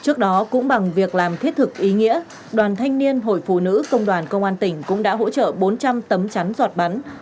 trước đó cũng bằng việc làm thiết thực ý nghĩa đoàn thanh niên hội phụ nữ công đoàn công an tỉnh cũng đã hỗ trợ bốn trăm linh tấm chắn giọt bắn